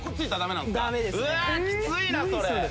きついなそれ。